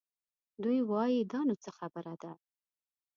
دوی وايي دا نو څه خبره ده؟